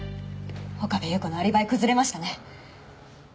岡部祐子のアリバイ崩れましたね。